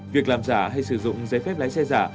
việc làm giả hay sử dụng giấy phép lái xe giả